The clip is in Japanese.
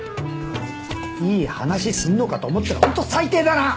いい話すんのかと思ったら本当最低だな！